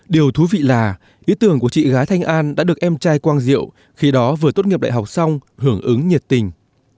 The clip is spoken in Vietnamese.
điều thú vị là ý tưởng của chị gái thanh an đã được em trai quang diệu khi đó vừa tốt nghiệp đại học xong hưởng ứng nhiệt tình